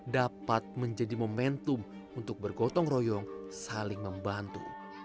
dapat menjadi momentum untuk bergotong royong saling membantu